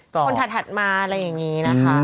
คนถัดมาอะไรอย่างนี้นะคะ